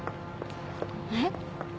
えっ？